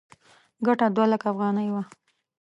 ګټه دوه لکه افغانۍ وه.